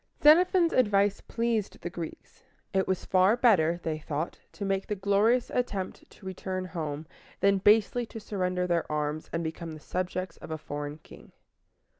Xenophon's advice pleased the Greeks. It was far better, they thought, to make the glorious attempt to return home, than basely to surrender their arms, and become the subjects of a foreign king.